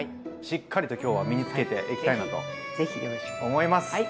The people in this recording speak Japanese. しっかりと今日は身につけていきたいなと思います。